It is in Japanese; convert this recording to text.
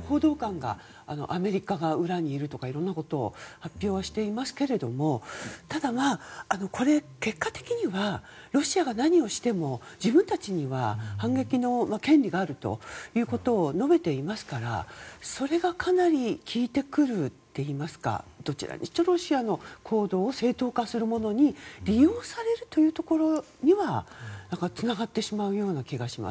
報道官がアメリカが裏にいるとかいろんなことを発表していますけれどもただ、これ結果的にはロシアが何をしても自分たちには反撃の権利があるということを述べていますからそれがかなり効いてくるといいますかどちらにしてもロシアの行動を正当化するものに利用されるというところにはつながってしまう気がします。